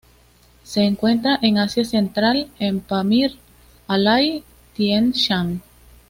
Se encuentra en Asia Central, en Pamir-Alay, Tien-Shan.